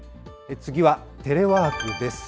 次はテレワークです。